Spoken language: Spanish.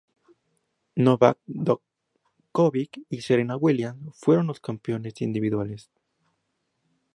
Novak Đoković y Serena Williams fueron los campeones individuales.